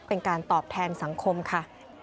เป็นการตอบแทนสังคมค่ะ